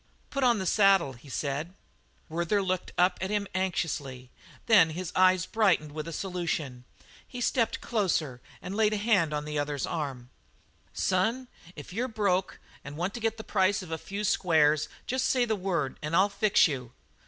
"Put on the saddle," he said. Werther looked at him anxiously; then his eyes brightened with a solution. He stepped closer and laid a hand on the other's arm. "Son, if you're broke and want to get the price of a few squares just say the word and I'll fix you.